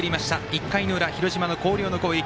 １回の裏、広島の広陵の攻撃。